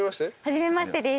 初めましてです。